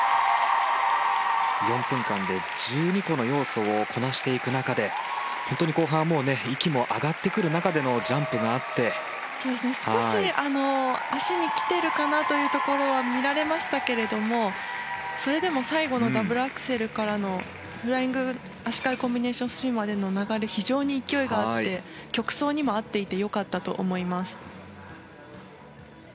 ４分間で１２個の要素をこなしていく中で後半は息も上がってくる中でのジャンプがあって少し足に来ているかなというところは見られましたけれどもそれでも最後のダブルアクセルからのフライング足換えコンビネーションスピンまでの流れまで非常に勢いがあって曲想にも合っていて良かったと思います。